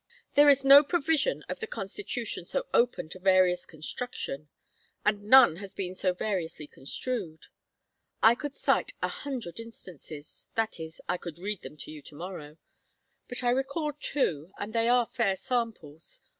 There is no provision of the Constitution so open to various construction. And none has been so variously construed. I could cite a hundred instances that is, I could read them to you to morrow. But I recall two, and they are fair samples.